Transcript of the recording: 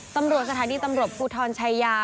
ตำรวจสถานีตำรวจฟูทรชัยา